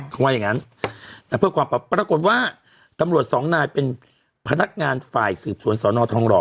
เขาว่าอย่างงั้นเพื่อความปรากฏว่าตำรวจสองนายเป็นพนักงานฝ่ายสืบสวนสอนอทองหล่อ